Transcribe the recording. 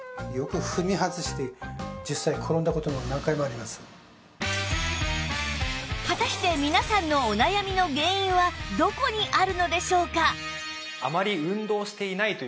そのせいか果たして皆さんのお悩みの原因はどこにあるのでしょうか？